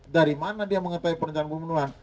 dari mana dia mengetahui perencanaan pembunuhan